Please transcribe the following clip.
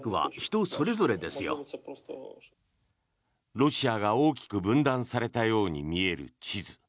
ロシアが大きく分断されたように見える地図。